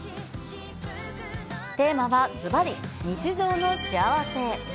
テーマはずばり、日常の幸せ。